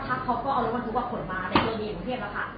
สักพักเขาก็เอาละวันทุกผลมาในโรงเรียนกรุงเทพแล้วค่ะ